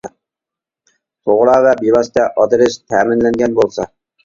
توغرا ۋە بىۋاسىتە ئادرېس تەمىنلەنگەن بولسا.